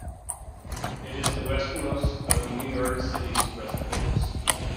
It is the westernmost of New York City's reservoirs.